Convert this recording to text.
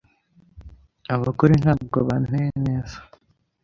Abagore ntabwo banteye neza.